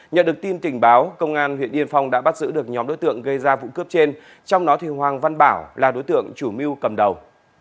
nhận được tin tình báo công an huyện yên phong đã bắt giữ được nhóm đối tượng gây ra vụ cướp trên trong đó thì hoàng văn bảo là đối tượng chủ mưu cầm đầu